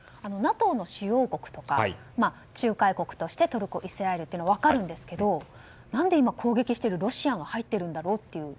ＮＡＴＯの主要国とか仲介国としてトルコ、イスラエルは分かるんですけど何で今攻撃しているロシアが入っているんだろうと。